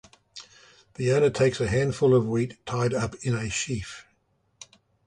The owner takes a handful of wheat tied up in a sheaf.